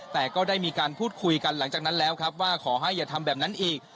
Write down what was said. แต่ก็ได้มีการพูดคุยกันหลังจากนั้นแล้วครับว่าขอให้อย่าทำแบบนั้นอีก